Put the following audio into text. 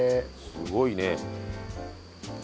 すごいね。